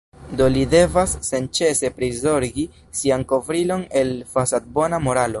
Do li devas senĉese prizorgi sian kovrilon el fasadbona moralo.